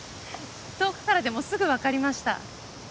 遠くからでもすぐ分かりました。